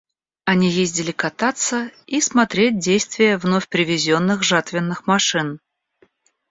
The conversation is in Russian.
Они ездили кататься и смотреть действие вновь привезенных жатвенных машин.